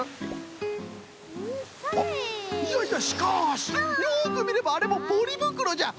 いやいやしかしよくみればあれもポリぶくろじゃ！